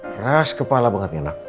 keras kepala banget ya nak